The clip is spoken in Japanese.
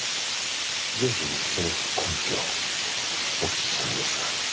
ぜひその根拠をお聞きしたいんですが。